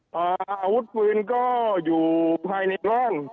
ซูอาวุธปืนก็อยู่ภายในนั่ง